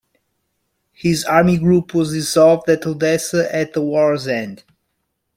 His Army Group was dissolved at Odessa at the war's end.